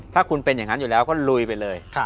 ถ้าคุณเป็นอย่างนั้นอยู่แล้วก็ลุยไปเลย